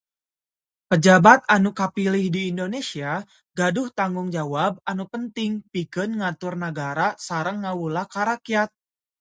Pejabat anu kapilih di Indonesia gaduh tanggung jawab anu penting pikeun ngatur nagara sareng ngawula ka rakyat.